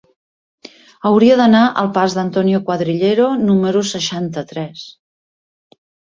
Hauria d'anar al pas d'Antonio Cuadrillero número seixanta-tres.